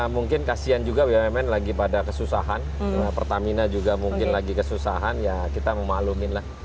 mungkin kasian juga bumn lagi pada kesusahan pertamina juga mungkin lagi kesusahan ya kita memaklumin lah